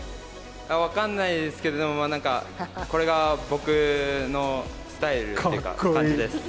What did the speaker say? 分かんないですけれども、でもなんか、これが僕のスタイルっていうか、感じです。